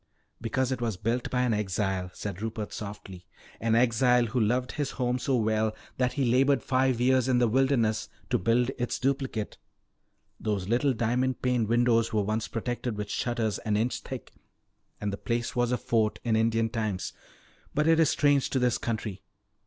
"Because it was built by an exile," said Rupert softly. "An exile who loved his home so well that he labored five years in the wilderness to build its duplicate. Those little diamond paned windows were once protected with shutters an inch thick, and the place was a fort in Indian times. But it is strange to this country.